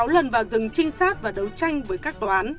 một trăm linh sáu lần vào rừng trinh sát và đấu tranh với các đoán